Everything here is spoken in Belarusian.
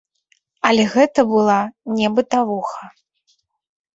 Але гэта была не бытавуха.